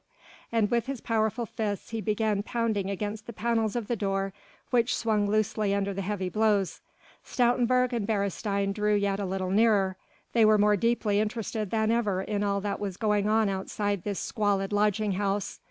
And with his powerful fists he began pounding against the panels of the door which swung loosely under the heavy blows. Stoutenburg and Beresteyn drew yet a little nearer: they were more deeply interested than ever in all that was going on outside this squalid lodging house.